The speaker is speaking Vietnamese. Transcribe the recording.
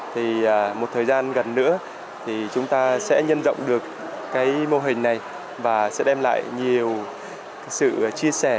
thì một thời gian gần nữa thì chúng ta sẽ nhân rộng được cái mô hình này và sẽ đem lại nhiều sự chia sẻ